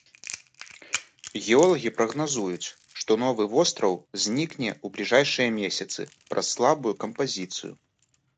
Геолагі прагназуюць, што новы востраў знікне ў бліжэйшыя месяцы праз слабую кампазіцыю.